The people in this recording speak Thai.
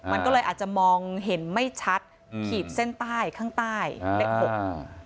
มันก็เลยอาจจะมองเห็นไม่ชัดขีดเส้นใต้ข้างใต้อ่าเลขหกอ่า